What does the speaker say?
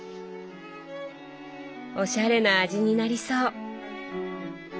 おしゃれな味になりそう。